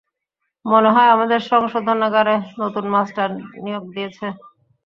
মনে হয় আমাদের সংশোধনগারে নতুন মাস্টার নিয়োগ দিয়েছে।